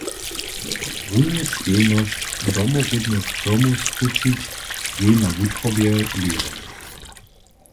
Runje stejnišćo domoródnych firmow skrućić jej na wutrobje leži.